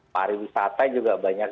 pariwisata juga banyak